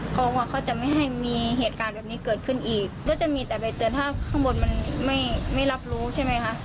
เพราะว่าเขาจะไม่ให้มีเหตุการณ์แบบนี้เกิดขึ้นอีกก็จะมีแต่ใบเตือนถ้าข้างบนมันไม่รับรู้ใช่ไหมคะ